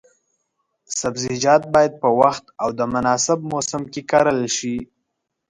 سبزیجات باید په وخت او د مناسب موسم کې کرل شي.